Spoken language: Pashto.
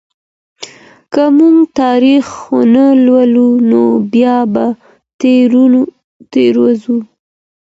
که موږ تاريخ ونه لولو نو بيا به تېروځو.